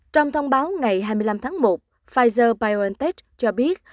trong thông báo ngày hai mươi năm tháng một pfizer biontech cho biết